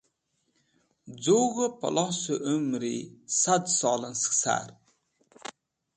Z̃ug̃hẽ dhũrsẽ pẽlosẽ umri sad solẽn sẽk sar.